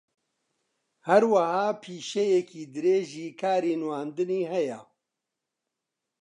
ھەروەھا پیشەیەکی درێژی کاری نواندنی ھەیە